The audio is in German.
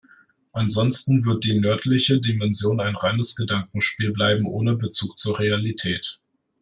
Ansonsten wird die nördliche Dimension ein reines Gedankenspiel bleiben ohne Bezug zur Realität.